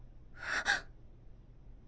あっ。